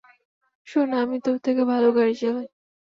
শোন, আমি তোর থেকে ভালো গাড়ি চালাই।